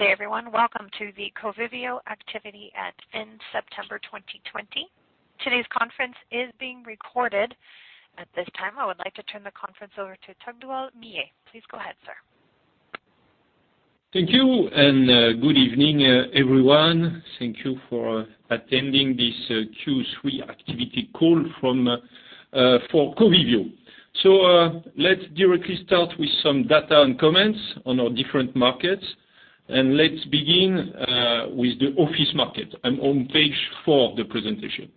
Good day, everyone. Welcome to the Covivio activity at End September 2020. Today's conference is being recorded. At this time, I would like to turn the conference over to Tugdual Millet. Please go ahead, sir. Thank you. Good evening, everyone. Thank you for attending this Q3 activity call for Covivio. Let's directly start with some data and comments on our different markets. Let's begin with the office market. I'm on page four of the presentation.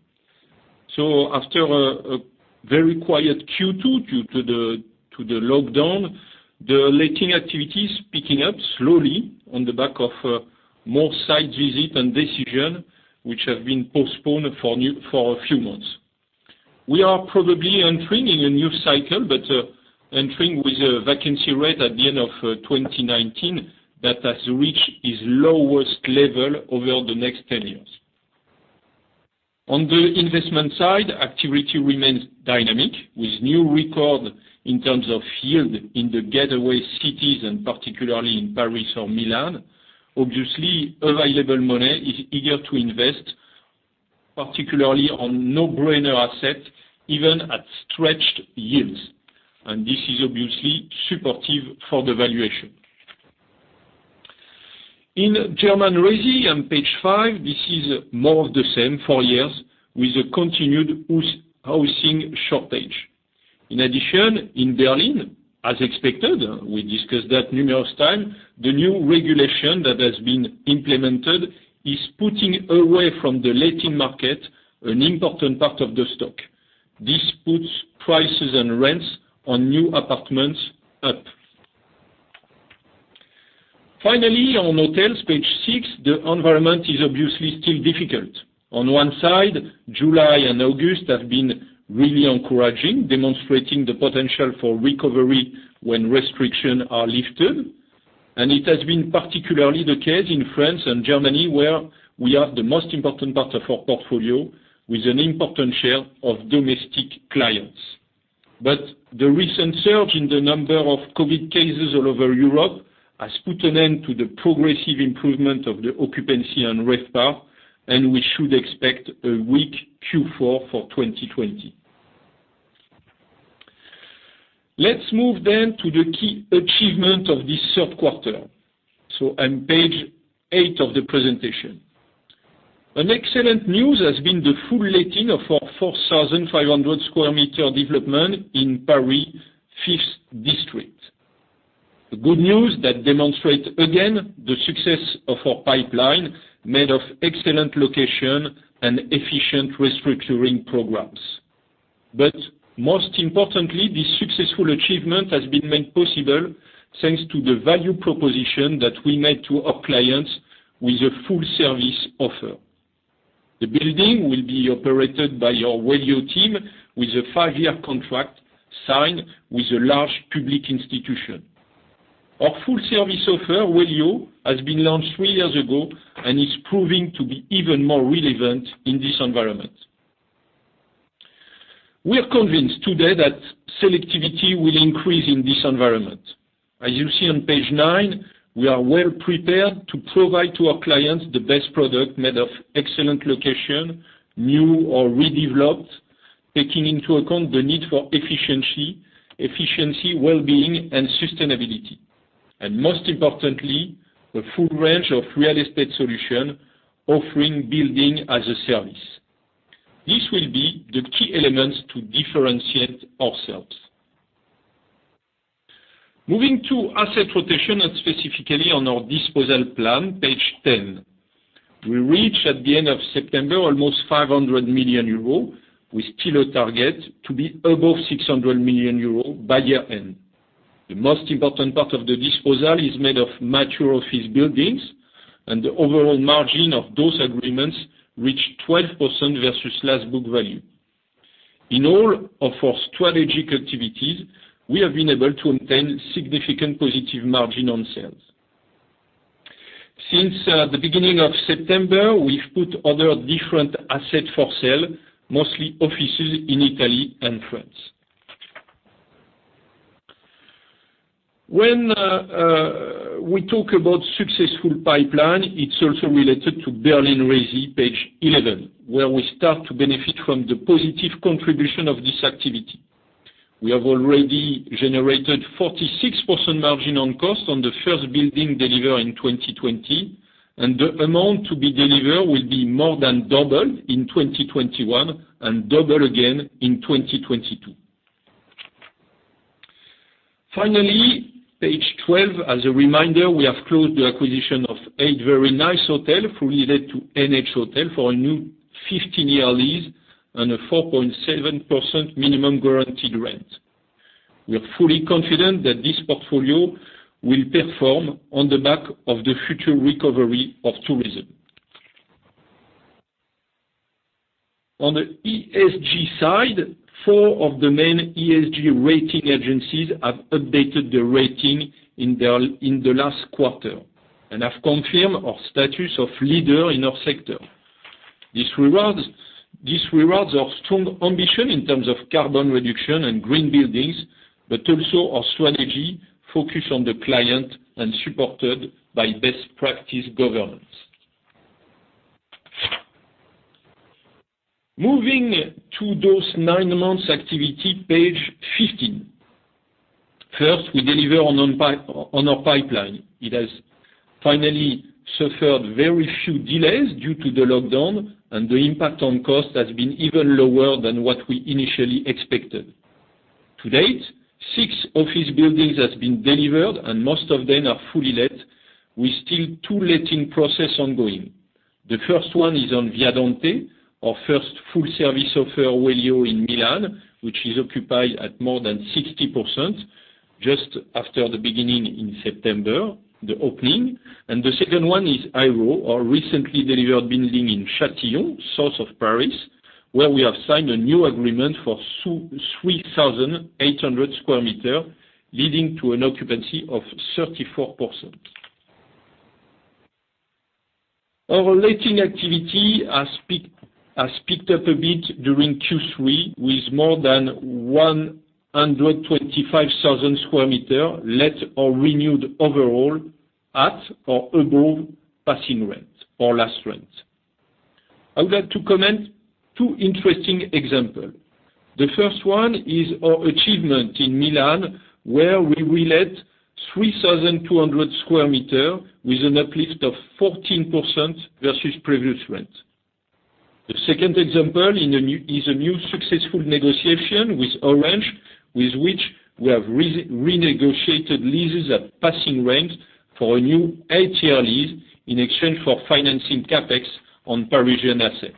After a very quiet Q2 due to the lockdown, the letting activity is picking up slowly on the back of more site visits and decisions which have been postponed for a few months. We are probably entering a new cycle, but entering with a vacancy rate at the end of 2019 that has reached its lowest level over the next 10 years. On the investment side, activity remains dynamic with new records in terms of yield in the gateway cities and particularly in Paris or Milan. Obviously, available money is eager to invest, particularly on no-brainer assets, even at stretched yields. This is obviously supportive for the valuation. In German resi on page five, this is more of the same for years, with a continued housing shortage. In addition, in Berlin, as expected, we discussed that numerous times, the new regulation that has been implemented is putting away from the letting market an important part of the stock. This puts prices and rents on new apartments up. Finally, on hotels, page six, the environment is obviously still difficult. On one side, July and August have been really encouraging, demonstrating the potential for recovery when restrictions are lifted. It has been particularly the case in France and Germany, where we have the most important part of our portfolio with an important share of domestic clients. The recent surge in the number of COVID cases all over Europe has put an end to the progressive improvement of the occupancy and RevPAR. We should expect a weak Q4 for 2020. Let's move to the key achievements of this third quarter. I'm page eight of the presentation. An excellent news has been the full letting of our 4,500 sq m development in Paris' 5th district. The good news that demonstrates again the success of our pipeline, made of excellent location and efficient restructuring programs. Most importantly, this successful achievement has been made possible thanks to the value proposition that we made to our clients with a full service offer. The building will be operated by our Wellio team with a five-year contract signed with a large public institution. Our full service offer, Wellio, has been launched three years ago and is proving to be even more relevant in this environment. We are convinced today that selectivity will increase in this environment. As you see on page nine, we are well prepared to provide to our clients the best product made of excellent location, new or redeveloped, taking into account the need for efficiency, well-being, and sustainability. Most importantly, a full range of real estate solutions offering building as a service. These will be the key elements to differentiate ourselves. Moving to asset rotation and specifically on our disposal plan, page 10. We reached at the end of September almost 500 million euro, with still a target to be above 600 million euro by year-end. The most important part of the disposal is made of mature office buildings, the overall margin of those agreements reached 12% versus last book value. In all of our strategic activities, we have been able to obtain significant positive margin on sales. Since the beginning of September, we've put other different assets for sale, mostly offices in Italy and France. When we talk about successful pipeline, it's also related to Berlin resi, page 11, where we start to benefit from the positive contribution of this activity. We have already generated 46% margin on cost on the first building delivered in 2020, and the amount to be delivered will be more than double in 2021 and double again in 2022. Finally, page 12, as a reminder, we have closed the acquisition of eight very nice hotels fully let to NH Hotel for a new 15-year lease and a 4.7% minimum guaranteed rent. We are fully confident that this portfolio will perform on the back of the future recovery of tourism. On the ESG side, four of the main ESG rating agencies have updated their rating in the last quarter and have confirmed our status of leader in our sector. These rewards are strong ambition in terms of carbon reduction and green buildings, also our strategy focused on the client and supported by best practice governance. Moving to those nine months activity, page 15. First, we deliver on our pipeline. It has finally suffered very few delays due to the lockdown, the impact on cost has been even lower than what we initially expected. To date, six office buildings have been delivered, Most of them are fully let, with still two letting process ongoing. The first one is on Via Dante, our first full service offer Wellio in Milan, which is occupied at more than 60%, just after the beginning in September, the opening. The second one is IRO, our recently delivered building in Châtillon, south of Paris, where we have signed a new agreement for 3,800 sq m, leading to an occupancy of 34%. Our letting activity has picked up a bit during Q3, with more than 125,000 sq m let or renewed overall, at or above passing rent or last rent. I'm going to comment two interesting example. The first one is our achievement in Milan, where we re-let 3,200 sq m with an uplift of 14% versus previous rent. The second example is a new successful negotiation with Orange, with which we have renegotiated leases at passing rent for a new eight-year lease in exchange for financing CapEx on Parisian assets.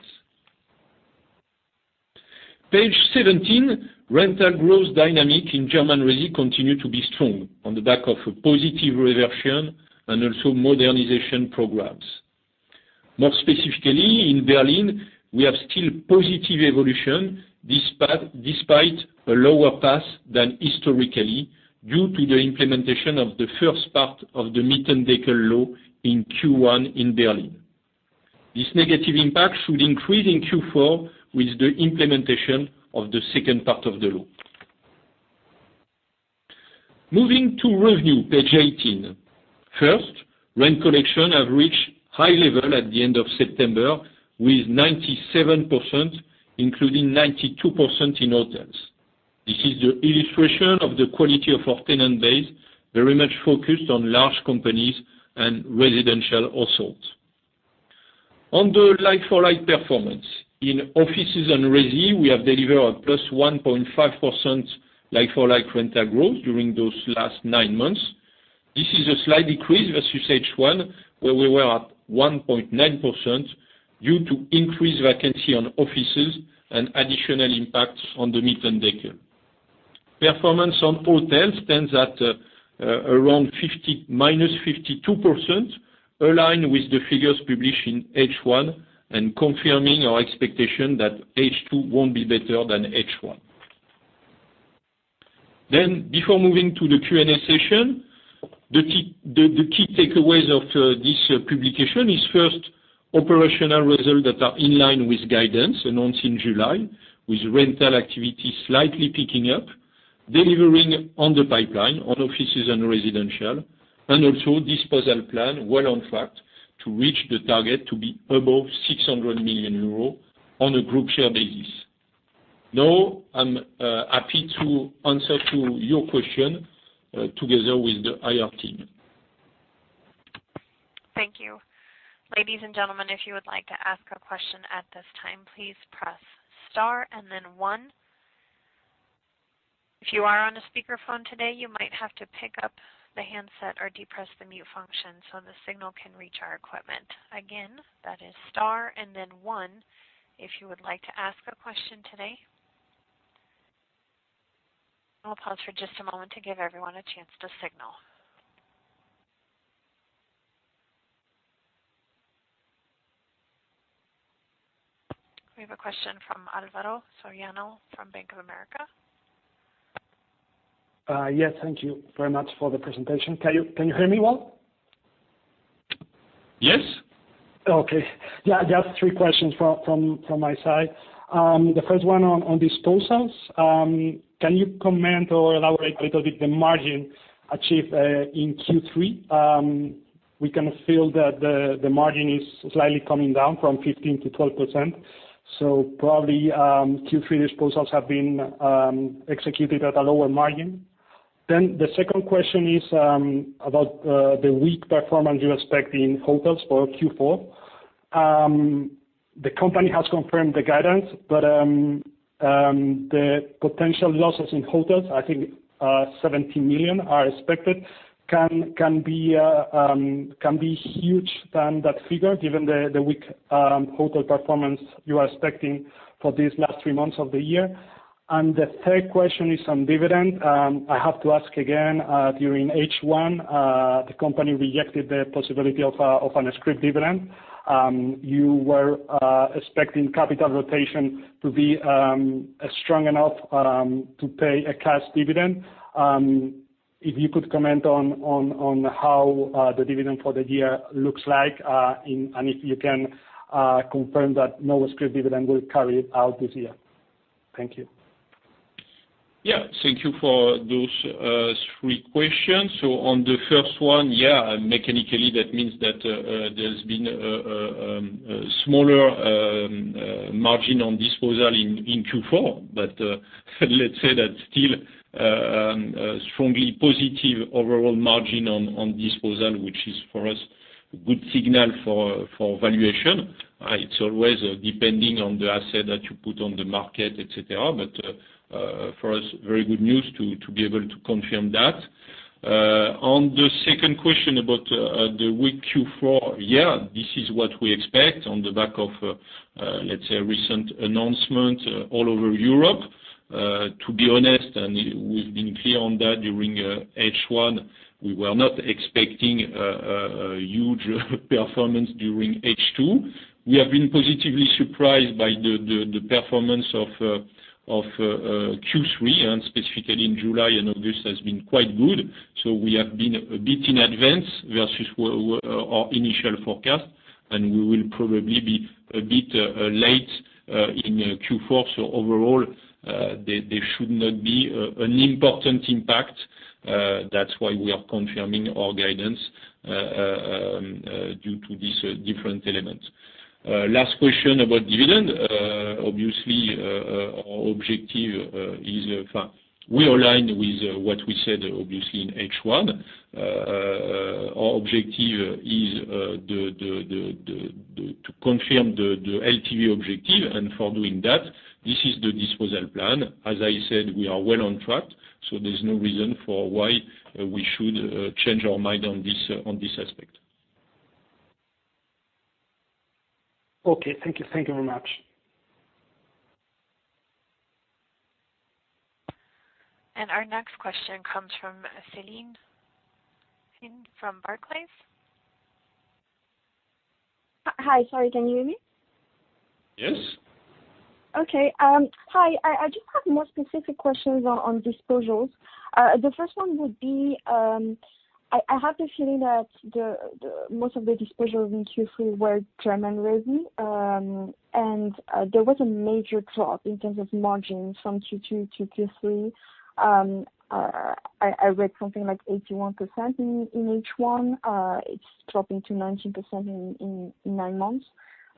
Page 17, rental growth dynamic in German resi continue to be strong on the back of a positive reversion and also modernization programs. More specifically, in Berlin, we have still positive evolution, despite a lower pass than historically, due to the implementation of the first part of the Mietendeckel law in Q1 in Berlin. This negative impact should increase in Q4 with the implementation of the second part of the law. Moving to revenue, page 18. First, rent collection have reached high level at the end of September, with 97%, including 92% in hotels. This is the illustration of the quality of our tenant base, very much focused on large companies and residential households. On the like-for-like performance, in offices and resi, we have delivered plus 1.5% like-for-like rental growth during those last nine months. This is a slight decrease versus H1, where we were at 1.9%, due to increased vacancy on offices and additional impacts on the Mietendeckel. Performance on hotels stands at around minus 52%, aligned with the figures published in H1 and confirming our expectation that H2 won't be better than H1. Before moving to the Q&A session, the key takeaways of this publication is first, operational results that are in line with guidance announced in July, with rental activity slightly picking up, delivering on the pipeline on offices and residential, and also disposal plan well on track to reach the target to be above 600 million euro on a group share basis. Now, I'm happy to answer to your question, together with the IR team. Thank you. Ladies and gentlemen, if you would like to ask a question at this time, please press star and then one. If you are on a speakerphone today, you might have to pick up the handset or depress the mute function so the signal can reach our equipment. Again, that is star and then one if you would like to ask a question today. I'll pause for just a moment to give everyone a chance to signal. We have a question from Alvaro Soriano from Bank of America. Yes, thank you very much for the presentation. Can you hear me well? Yes. Okay. Yeah, just three questions from my side. The first one on disposals. Can you comment or elaborate a little bit the margin achieved in Q3? We kind of feel that the margin is slightly coming down from 15% to 12%. Probably, Q3 disposals have been executed at a lower margin. The second question is about the weak performance you expect in hotels for Q4. The company has confirmed the guidance, but the potential losses in hotels, I think 17 million, are expected, can be huge than that figure, given the weak hotel performance you are expecting for these last three months of the year. The third question is on dividend. I have to ask again, during H1, the company rejected the possibility of a scrip dividend. You were expecting capital rotation to be strong enough to pay a cash dividend. If you could comment on how the dividend for the year looks like, and if you can confirm that no scrip dividend will carry out this year. Thank you. Yeah. Thank you for those three questions. On the first one, yeah, mechanically, that means that there's been a smaller margin on disposal in Q4. Let's say that's still a strongly positive overall margin on disposal, which is, for us, a good signal for valuation. It's always depending on the asset that you put on the market, et cetera. For us, very good news to be able to confirm that. On the second question about the weak Q4, yeah, this is what we expect on the back of, let's say, recent announcement all over Europe. To be honest, and we've been clear on that during H1, we were not expecting a huge performance during H2. We have been positively surprised by the performance of Q3, and specifically in July and August has been quite good. We have been a bit in advance versus our initial forecast, and we will probably be a bit late in Q4. Overall, there should not be an important impact. That's why we are confirming our guidance due to these different elements. Last question about dividend. Obviously, our objective is we align with what we said, obviously, in H1. Our objective is to confirm the LTV objective, and for doing that, this is the disposal plan. As I said, we are well on track, so there's no reason for why we should change our mind on this aspect. Okay. Thank you very much. Our next question comes from Celine from Barclays. Hi. Sorry, can you hear me? Yes. Okay. Hi. I just have more specific questions on disposals. The first one would be, I have the feeling that most of the disposals in Q3 were German resi, and there was a major drop in terms of margin from Q2 to Q3. I read something like 81% in H1. It's dropping to 19% in nine months.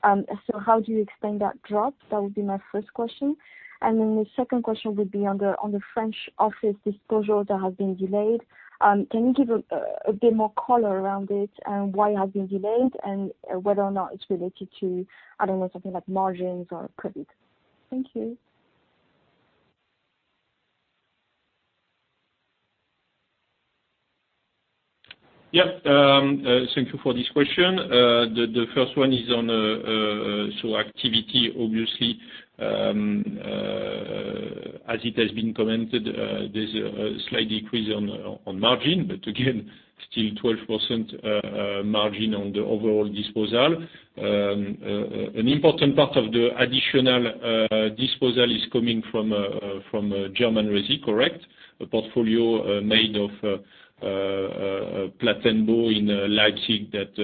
How do you explain that drop? That would be my first question. The second question would be on the French office disposal that has been delayed. Can you give a bit more color around it and why it has been delayed and whether or not it's related to, I don't know, something like margins or credit? Thank you. Yeah. Thank you for this question. The first one is on activity, obviously, as it has been commented, there's a slight decrease on margin, but again, still 12% margin on the overall disposal. An important part of the additional disposal is coming from German Resi, correct? A portfolio made of Plattenbau in Leipzig that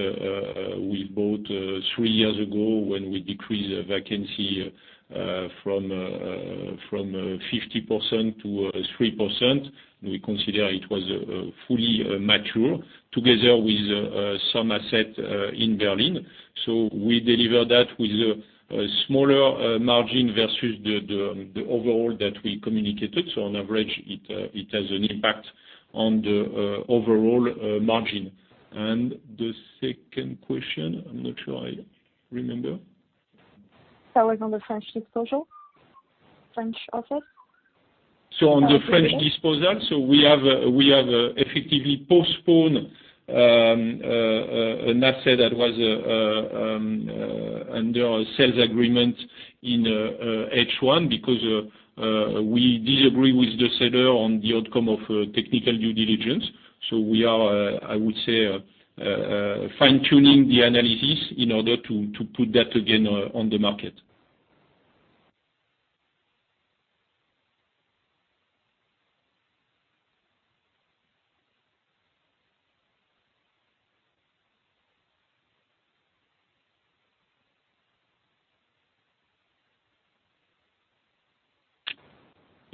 we bought three years ago when we decreased vacancy from 50% to 3%. We consider it was fully mature, together with some asset in Berlin. We deliver that with a smaller margin versus the overall that we communicated. On average, it has an impact on the overall margin. The second question, I'm not sure I remember. That was on the French disposal. French office. On the French disposal. We have effectively postponed an asset that was under a sales agreement in H1 because we disagree with the seller on the outcome of technical due diligence. We are, I would say, fine-tuning the analysis in order to put that again on the market.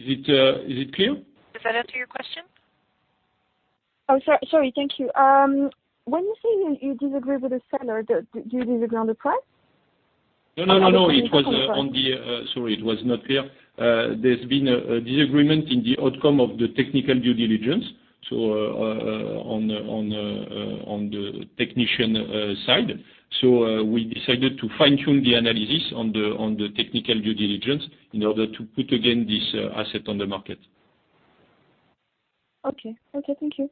Is it clear? Does that answer your question? Oh, sorry. Thank you. When you say you disagree with the seller, do you disagree on the price? No. It was not clear. There's been a disagreement in the outcome of the technical due diligence, so on the technician side. We decided to fine-tune the analysis on the technical due diligence in order to put again this asset on the market. Okay. Thank you.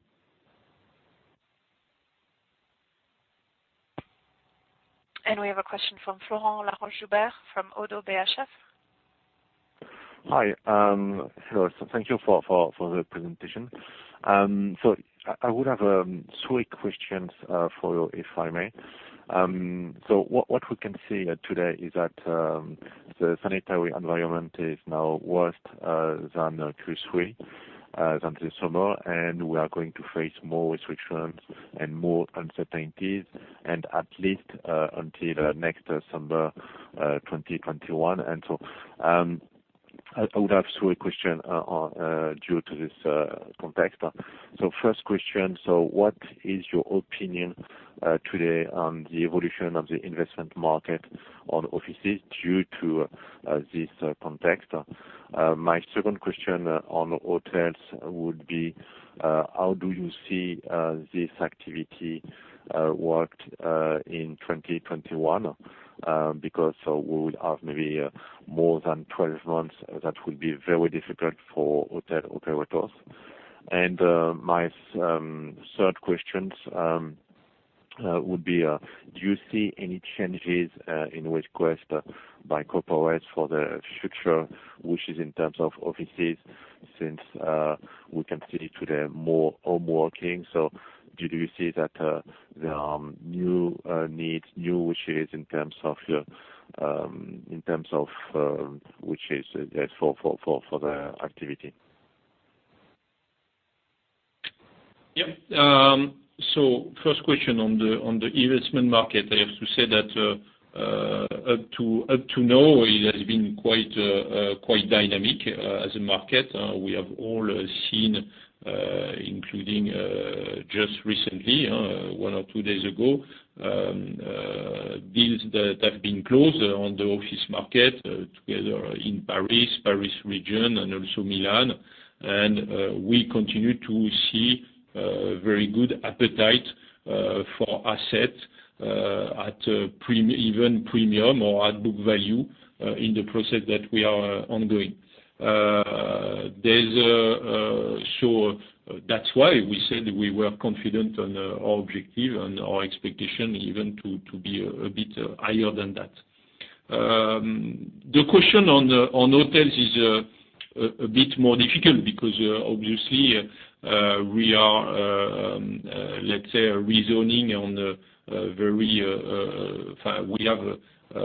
We have a question from Florent Laroche-Joubert from Oddo BHF. Hi. Florent. Thank you for the presentation. I would have 3 questions for you, if I may. What we can see today is that the sanitary environment is now worse than Q3, than this summer, and we are going to face more restrictions and more uncertainties, at least until next December 2021. I would have 3 questions due to this context. First question, what is your opinion today on the evolution of the investment market on offices due to this context? My second question on hotels would be, how do you see this activity worked in 2021? Because we would have maybe more than 12 months, that will be very difficult for hotel operators. My third questions would be, do you see any changes in request by corporates for the future, wishes in terms of offices since we can see today more home working. Did you see that there are new needs, new wishes in terms of wishes for the activity? Yes. First question on the investment market, I have to say that up to now, it has been quite dynamic as a market. We have all seen, including just recently one or 2 days ago, deals that have been closed on the office market together in Paris region, and also Milan. We continue to see very good appetite for assets at even premium or at book value, in the process that we are ongoing. That's why we said we were confident on our objective and our expectation even to be a bit higher than that. The question on hotels is a bit more difficult because, obviously, we are, let's say, We have a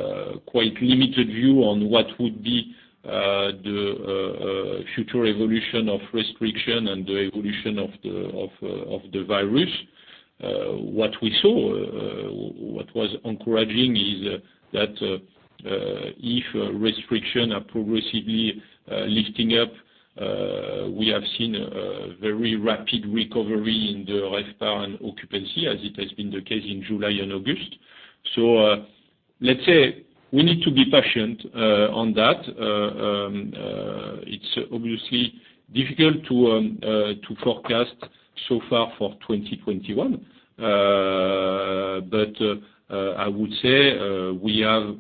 quite limited view on what would be the future evolution of restriction and the evolution of the virus. What we saw, what was encouraging is that if restriction are progressively lifting up, we have seen a very rapid recovery in the RevPAR and occupancy as it has been the case in July and August. Let's say we need to be patient on that. It's obviously difficult to forecast so far for 2021. I would say we have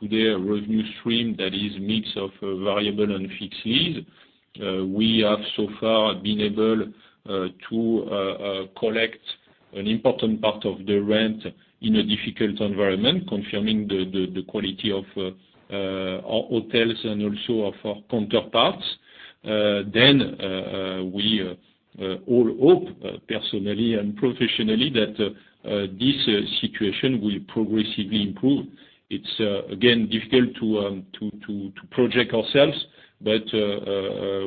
today a revenue stream that is mix of variable and fixed lease. We have so far been able to collect an important part of the rent in a difficult environment, confirming the quality of our hotels and also of our counterparts. We all hope, personally and professionally, that this situation will progressively improve.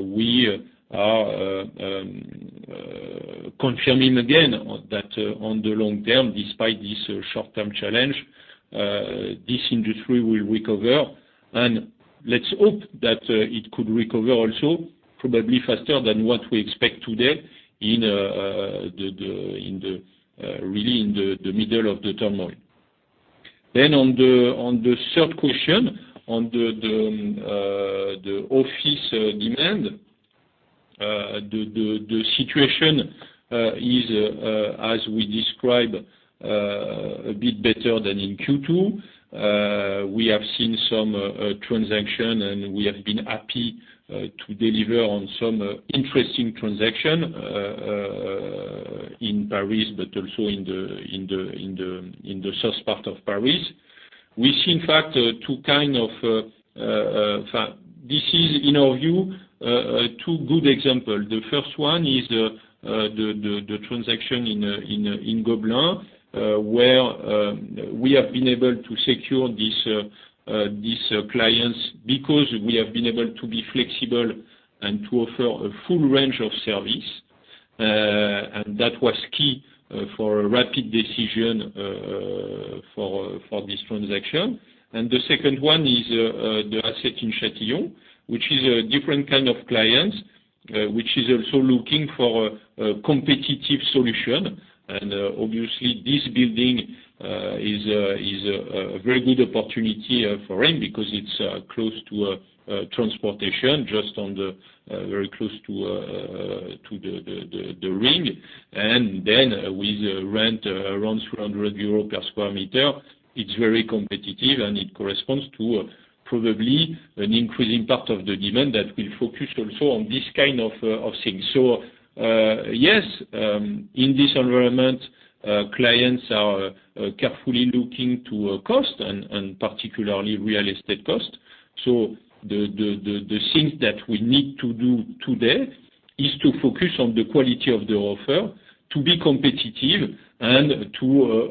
We are confirming again that on the long term, despite this short-term challenge, this industry will recover, and let's hope that it could recover also, probably faster than what we expect today, really in the middle of the turmoil. On the third question, on the office demand. The situation is, as we described, a bit better than in Q2. We have seen some transaction, and we have been happy to deliver on some interesting transaction in Paris, but also in the south part of Paris. We see in fact, in our view, two good example. The first one is the transaction in Gobelins, where we have been able to secure this clients because we have been able to be flexible and to offer a full range of service. That was key for a rapid decision for this transaction. The second one is the asset in Châtillon, which is a different kind of client, which is also looking for a competitive solution. Obviously, this building is a very good opportunity for him because it's close to transportation, just very close to the ring. With rent around 300 euros per square meter, it's very competitive, and it corresponds to probably an increasing part of the demand that will focus also on this kind of things. Yes, in this environment, clients are carefully looking to cost and particularly real estate cost. The things that we need to do today is to focus on the quality of the offer, to be competitive, and to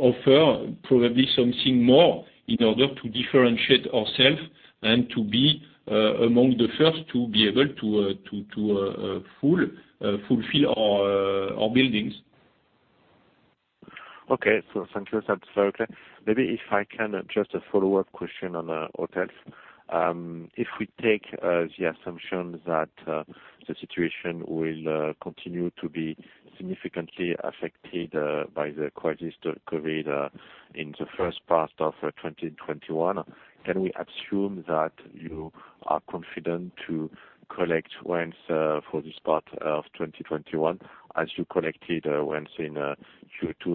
offer probably something more in order to differentiate ourself and to be among the first to be able to fulfill our buildings. Okay. Thank you. That's very clear. Maybe if I can, just a follow-up question on the hotels. If we take the assumption that the situation will continue to be significantly affected by the crisis of COVID in the first part of 2021, can we assume that you are confident to collect rents for this part of 2021 as you collected rents in Q2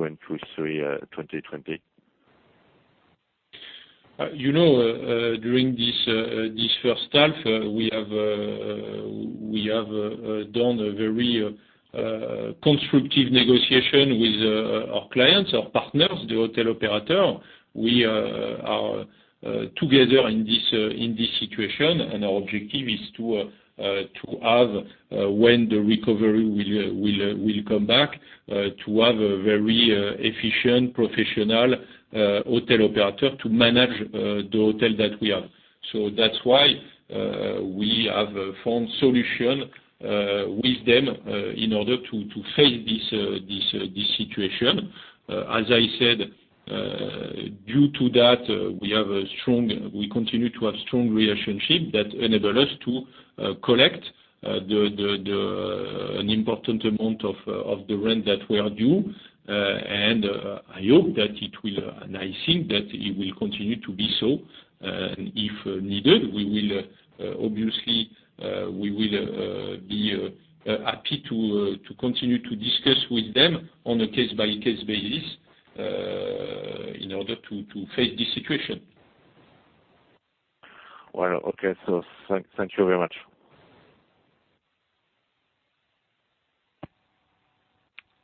and Q3 2020? During this first half, we have done a very constructive negotiation with our clients, our partners, the hotel operator. We are together in this situation. Our objective is to have, when the recovery will come back, to have a very efficient professional hotel operator to manage the hotel that we have. That's why we have formed solution with them, in order to face this situation. As I said, due to that, we continue to have strong relationship that enable us to collect an important amount of the rent that we are due. I hope that it will, and I think that it will continue to be so. If needed, obviously, we will be happy to continue to discuss with them on a case-by-case basis, in order to face this situation. Well, okay. Thank you very much.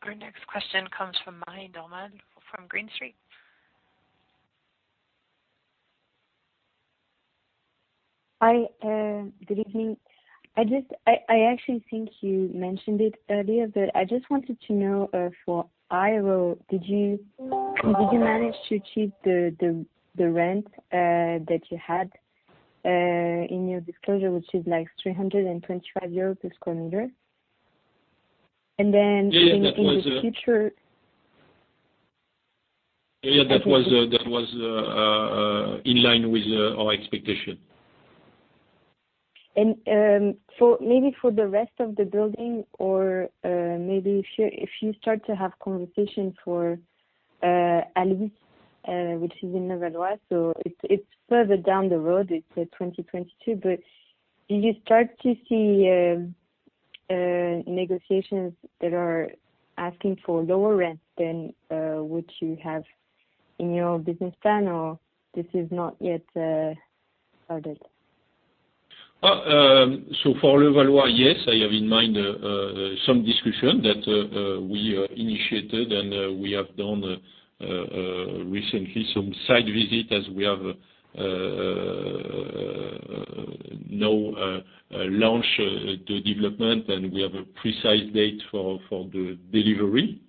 Our next question comes from Marie Domon from Green Street. Hi, good evening. I actually think you mentioned it earlier, but I just wanted to know, for IRO, did you manage to achieve the rent that you had in your disclosure, which is like 325 euros per square meter? In the future- Yeah, that was in line with our expectation. Maybe for the rest of the building, or maybe if you start to have conversations for Alvis, which is in Levallois, so it's further down the road, it's 2022. Did you start to see negotiations that are asking for lower rent than what you have in your business plan, or this is not yet started? For Levallois, yes, I have in mind some discussion that we initiated, and we have done recently some site visit as we have now launch the development, and we have a precise date for the delivery.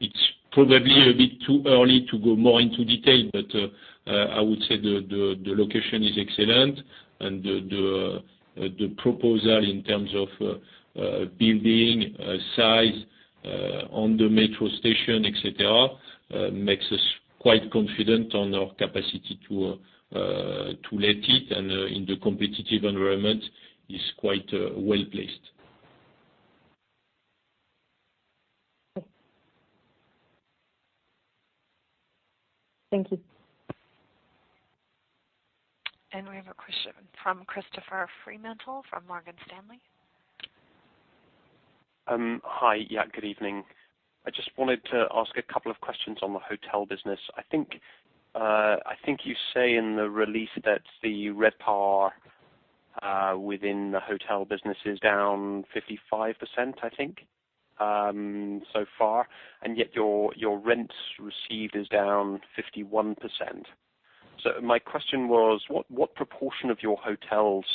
It's probably a bit too early to go more into detail, but I would say the location is excellent, and the proposal in terms of building size on the metro station, et cetera, makes us quite confident on our capacity to let it and in the competitive environment is quite well-placed. Thank you. We have a question from Christopher Fremantle from Morgan Stanley. Hi. Yeah, good evening. I just wanted to ask a couple of questions on the hotel business. I think you say in the release that the RevPAR within the hotel business is down 55%, I think, so far, yet your rents received is down 51%. My question was, what proportion of your hotels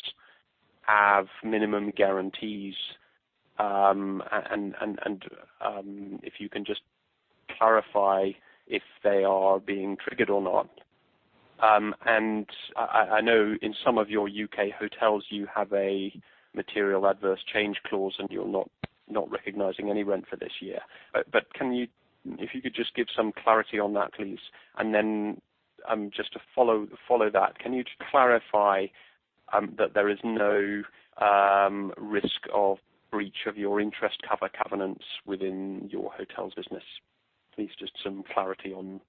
have minimum guarantees? If you can just clarify if they are being triggered or not. I know in some of your U.K. hotels, you have a material adverse change clause and you're not recognizing any rent for this year. If you could just give some clarity on that, please. Then just to follow that, can you clarify that there is no risk of breach of your interest cover covenants within your hotels business? Please, just some clarity on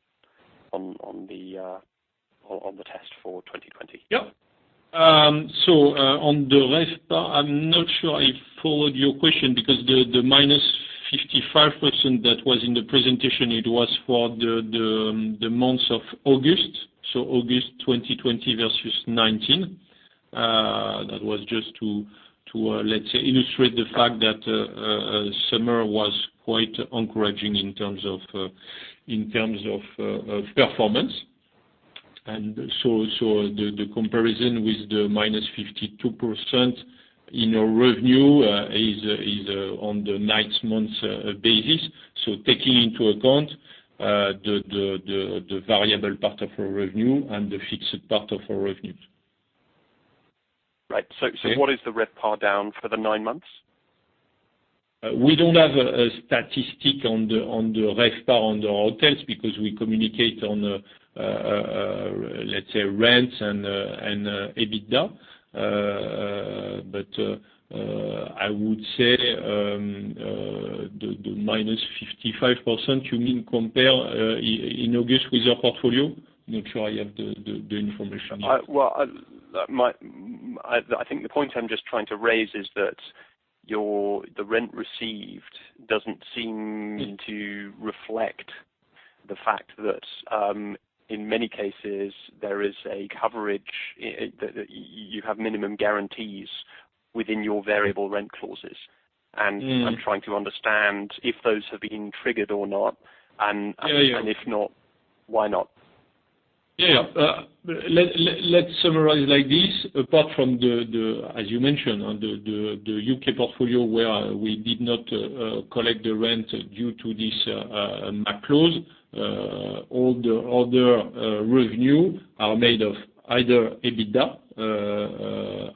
the test for 2020. Yep. On the RevPAR, I'm not sure I followed your question because the -55% that was in the presentation, it was for the month of August 2020 versus 2019. That was just to, let's say, illustrate the fact that summer was quite encouraging in terms of performance. The comparison with the -52% in our revenue is on the nine months basis. Taking into account the variable part of our revenue and the fixed part of our revenue. Right. What is the RevPAR down for the nine months? We don't have a statistic on the RevPAR on the hotels because we communicate on, let's say, rents and EBITDA. I would say the -55%, you mean compare in August with your portfolio? Not sure I have the information yet. I think the point I'm just trying to raise is that the rent received doesn't seem to reflect the fact that, in many cases, there is a coverage, that you have minimum guarantees within your variable rent clauses. I'm trying to understand if those have been triggered or not. Yeah. If not, why not? Let's summarize like this. Apart from the, as you mentioned, on the U.K. portfolio, where we did not collect the rent due to this MAC clause, all the other revenue are made of either EBITDA,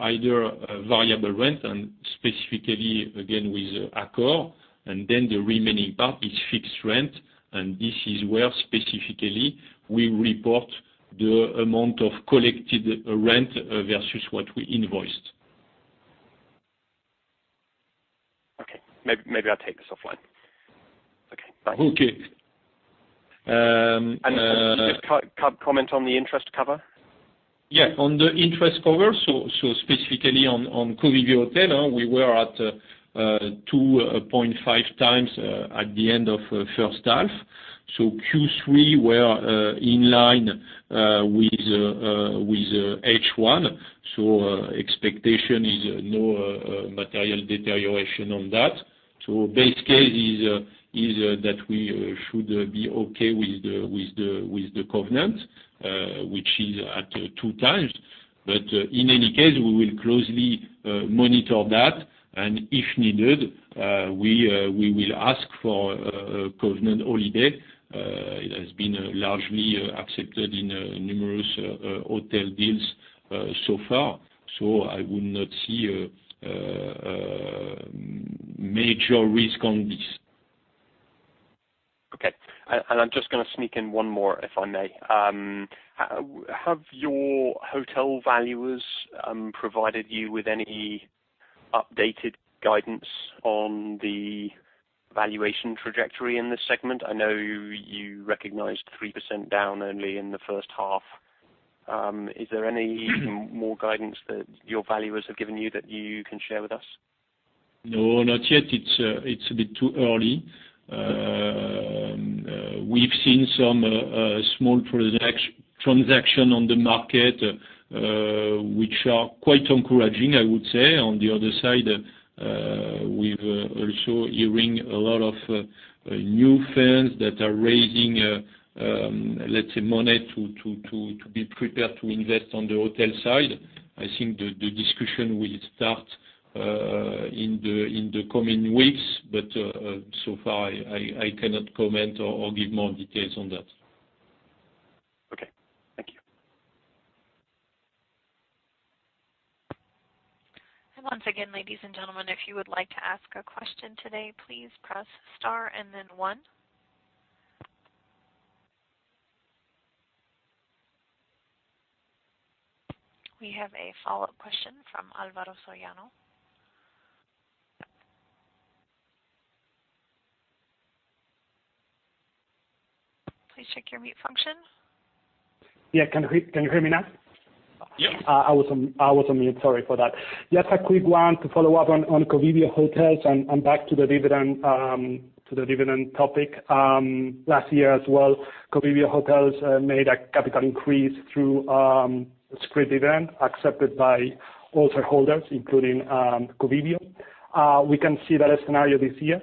either variable rent, and specifically, again, with Accor, then the remaining part is fixed rent. This is where, specifically, we report the amount of collected rent versus what we invoiced. Maybe I'll take this offline. Bye. Okay. Could you just comment on the interest cover? On the interest cover, specifically on Covivio Hotels, we were at 2.5 times at the end of first half. Q3, we are in line with H1. Expectation is no material deterioration on that. Base case is that we should be okay with the covenant, which is at two times. In any case, we will closely monitor that, and if needed, we will ask for a covenant holiday. It has been largely accepted in numerous hotel deals so far. I would not see a major risk on this. Okay. I'm just going to sneak in one more, if I may. Have your hotel valuers provided you with any updated guidance on the valuation trajectory in this segment? I know you recognized 3% down only in the first half. Is there any more guidance that your valuers have given you that you can share with us? No, not yet. It's a bit too early. We've seen some small transaction on the market, which are quite encouraging, I would say. On the other side, we've also hearing a lot of new firms that are raising, let's say, money to be prepared to invest on the hotel side. I think the discussion will start in the coming weeks, so far, I cannot comment or give more details on that. Okay. Thank you. Once again, ladies and gentlemen, if you would like to ask a question today, please press star and then one. We have a follow-up question from Alvaro Soriano. Please check your mute function. Yeah, can you hear me now? Yes. I was on mute. Sorry for that. Just a quick one to follow up on Covivio Hotels and back to the dividend topic. Last year as well, Covivio Hotels made a capital increase through a scrip dividend accepted by all shareholders, including Covivio. We can see that scenario this year?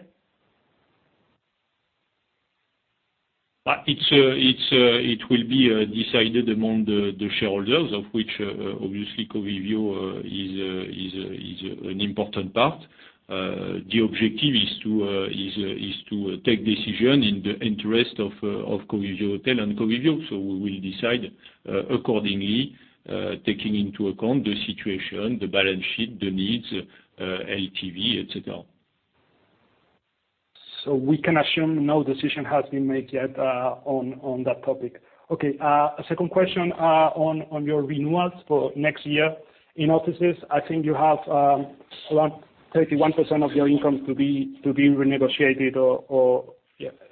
It will be decided among the shareholders, of which, obviously, Covivio is an important part. The objective is to take decision in the interest of Covivio Hotels and Covivio. We will decide accordingly, taking into account the situation, the balance sheet, the needs, LTV, et cetera. We can assume no decision has been made yet on that topic. Okay. A second question on your renewals for next year. In offices, I think you have around 31% of your income to be renegotiated or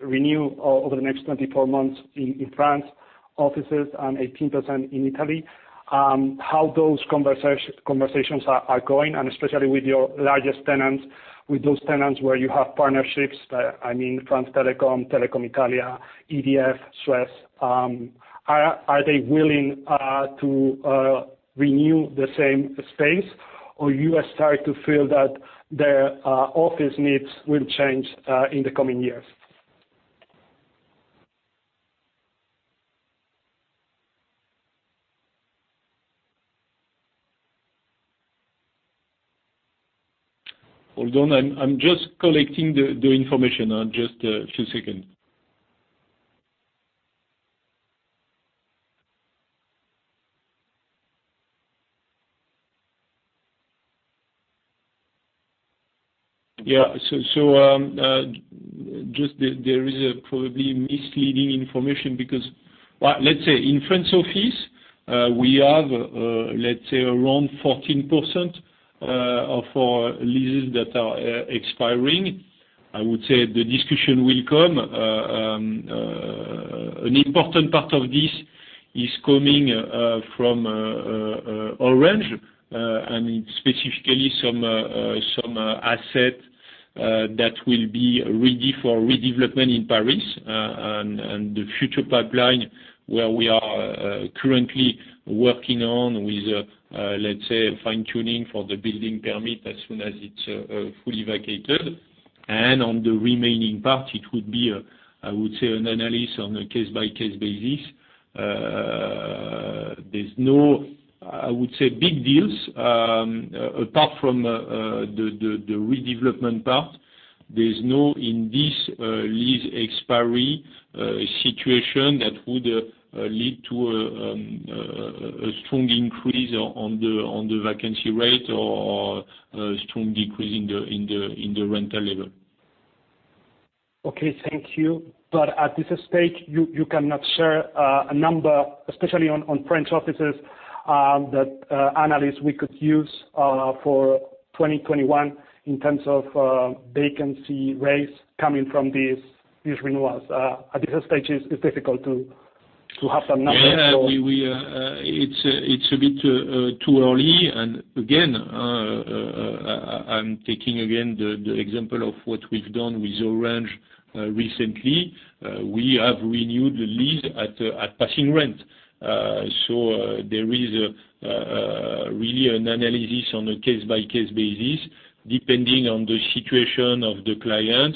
renewed over the next 24 months in France offices and 18% in Italy. How those conversations are going, and especially with your largest tenants, with those tenants where you have partnerships, I mean, France Télécom, Telecom Italia, EDF, Suez? Are they willing to renew the same space? You are starting to feel that their office needs will change in the coming years? Hold on. I am just collecting the information. Just a few seconds. There is probably misleading information because, let's say, in French offices, we have around 14% of our leases that are expiring. I would say the discussion will come. An important part of this is coming from Orange, and specifically some asset that will be ready for redevelopment in Paris, and the future pipeline where we are currently working on with, let's say, fine-tuning for the building permit as soon as it is fully vacated. On the remaining part, it would be, I would say, an analysis on a case-by-case basis. There are no big deals apart from the redevelopment part. There is no, in this lease expiry situation, that would lead to a strong increase on the vacancy rate or a strong decrease in the rental level. Okay, thank you. At this stage, you cannot share a number, especially on French offices, that analysts we could use for 2021 in terms of vacancy rates coming from these renewals. At this stage, it is difficult to have that number? It is a bit too early, again, I am taking the example of what we have done with Orange recently. We have renewed the lease at passing rent. There is really an analysis on a case-by-case basis, depending on the situation of the client,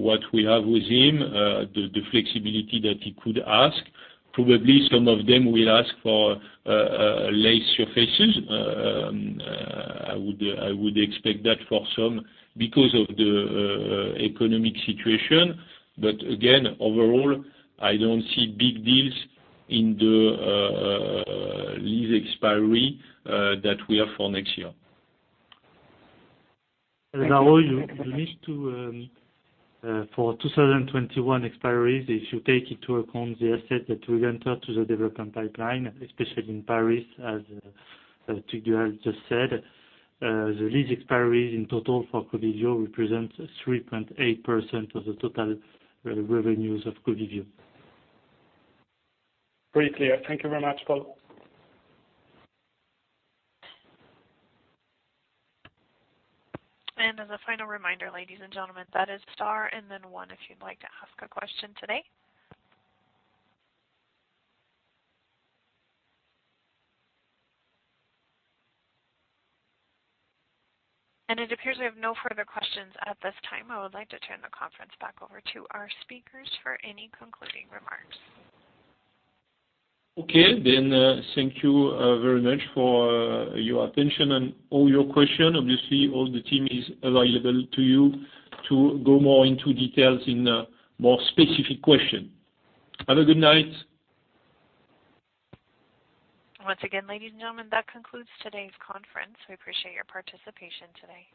what we have with him, the flexibility that he could ask. Probably some of them will ask for less surfaces. I would expect that for some because of the economic situation. Again, overall, I do not see big deals in the lease expiry that we have for next year. Thank you. Alvaro, you missed to, for 2021 expiries, if you take into account the assets that we enter to the development pipeline, especially in Paris, as Tugdual just said, the lease expiries in total for Covivio represents 3.8% of the total revenues of Covivio. Very clear. Thank you very much, Paul. As a final reminder, ladies and gentlemen, that is star and then one if you'd like to ask a question today. It appears we have no further questions at this time. I would like to turn the conference back over to our speakers for any concluding remarks. Okay. Thank you very much for your attention and all your question. Obviously, all the team is available to you to go more into details in more specific question. Have a good night. Once again, ladies and gentlemen, that concludes today's conference. We appreciate your participation today.